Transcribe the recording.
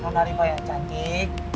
nona riva yang cantik